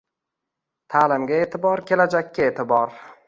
Ta’limga e’tibor – kelajakka e’tibor